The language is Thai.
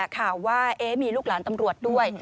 ข่าวว่ามีลูกหลานตำรวจด้วย